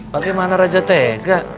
bagaimana raja tega